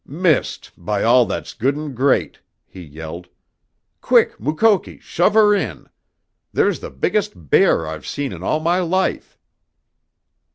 "Missed, by all that's good and great!" he yelled. "Quick, Mukoki, shove her in! There's the biggest bear I've seen in all my life!"